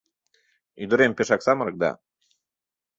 Ӱдырем пешак самырык да...